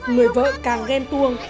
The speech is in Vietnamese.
người vợ càng ghen tuông